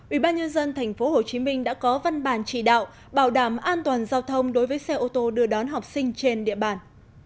ubnd tp hcm đã có văn bản chỉ đạo bảo đảm an toàn giao thông đối với xe ô tô đưa đón học sinh trên địa bàn